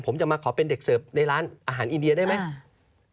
ผมจะมาขอเป็นเด็กเสิร์ฟในร้านอาหารอินเดียได้ไหม